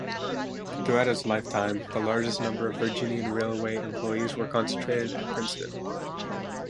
Throughout its lifetime, the largest number of Virginian Railway employees were concentrated at Princeton.